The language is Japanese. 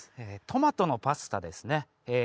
トマトのパスタですねえ